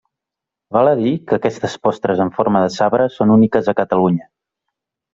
Val a dir que aquestes postres en forma de sabre són úniques a Catalunya.